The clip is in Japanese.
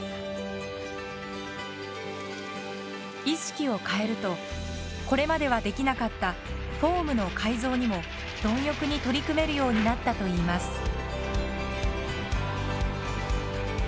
意識を変えるとこれまではできなかったフォームの改造にも貪欲に取り組めるようになったといいます。